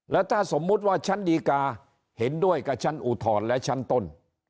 แล้วถ้าสมมุติว่าชั้นดีกาเห็นด้วยกับชั้นอุทธรณ์และชั้นต้น